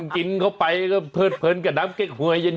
กินเข้าไปเพิดกับน้ำเก็บหัวเย็น